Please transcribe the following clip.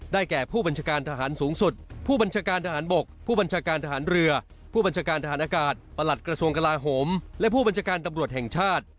แก่ผู้บัญชาการทหารสูงสุดผู้บัญชาการทหารบกผู้บัญชาการทหารเรือผู้บัญชาการทหารอากาศประหลัดกระทรวงกลาโหมและผู้บัญชาการตำรวจแห่งชาติ